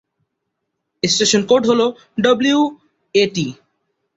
Station code হল ডব্লিউএটি।